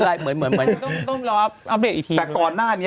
อ๋อห้ามเปลี่ยนตอนนี้ด้วย